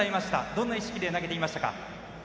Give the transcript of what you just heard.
どんな意識で投げていましたか？